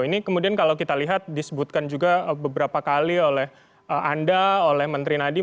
ini kemudian kalau kita lihat disebutkan juga beberapa kali oleh anda oleh menteri nadie